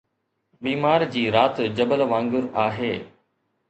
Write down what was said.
بيمار جي رات جبل وانگر آهي